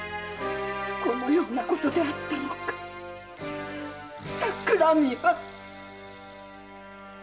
このようなことであったのか企みは！